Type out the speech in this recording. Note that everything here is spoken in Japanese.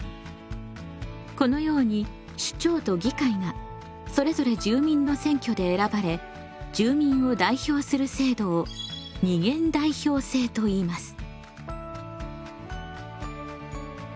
このように首長と議会がそれぞれ住民の選挙で選ばれ住民を代表する制度を二元代表制といいます。